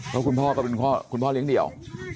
เพราะคุณพ่อก็เป็นคุณพ่อเลี้ยงเดี่ยว